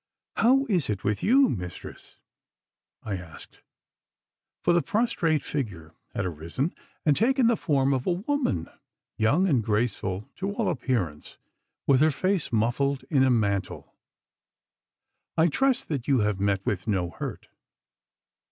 'How is it with you, Mistress?' I asked; for the prostrate figure had arisen and taken the form of a woman, young and graceful to all appearance, with her face muffled in a mantle. 'I trust that you have met with no hurt.